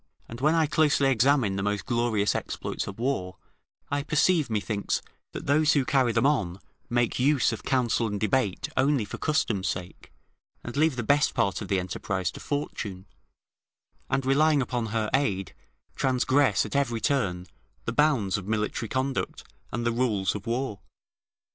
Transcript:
] and when I closely examine the most glorious exploits of war, I perceive, methinks, that those who carry them on make use of counsel and debate only for custom's sake, and leave the best part of the enterprise to Fortune, and relying upon her aid, transgress, at every turn, the bounds of military conduct and the rules of war.